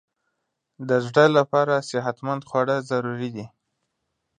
د زړه لپاره صحتمند خواړه ضروري دي.